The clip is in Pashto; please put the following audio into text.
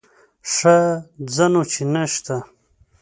ښه ځه نو چې نه شته.